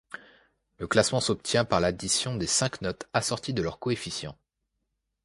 Le classement s'obtient par addition des cinq notes assorties de leur coefficient.